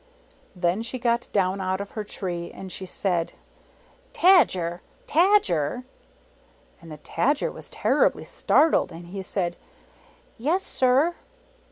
Then she got down out of her tree, and she said, "Tajer! Tajer!" And the Tadger was terribly startled. And he said, " Yes sir!"